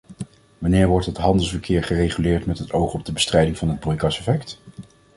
Wanneer wordt het handelsverkeer gereguleerd met het oog op de bestrijding van het broeikaseffect?